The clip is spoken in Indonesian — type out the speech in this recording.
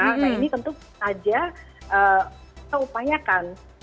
nah ini tentu saja seupaya kan